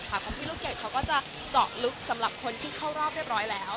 ของพี่ลูกเกดเขาก็จะเจาะลึกสำหรับคนที่เข้ารอบเรียบร้อยแล้ว